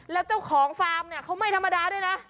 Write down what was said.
แล้วเจ้าของฟาร์มเนี่ยเขาไม่ธรรมดาด้วยนะ